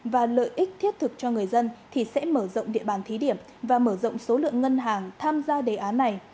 và lợi ích thiết thực cho người dân thì sẽ mở rộng địa bàn thí điểm và mở rộng số lượng ngân hàng tham gia đề án này